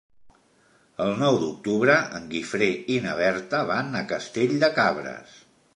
El nou d'octubre en Guifré i na Berta van a Castell de Cabres.